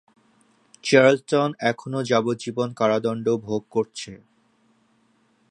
Charlton এখনও যাবজ্জীবন কারাদণ্ড ভোগ করছে।